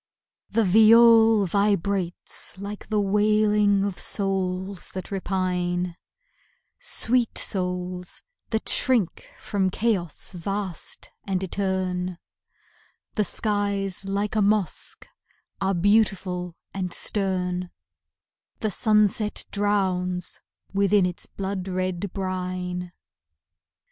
The viol vibrates like the wailing of souls that repine; Sweet souls that shrink from chaos vast and etern, The skies like a mosque are beautiful and stern, The sunset drowns within its blood red brine.